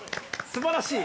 すばらしい！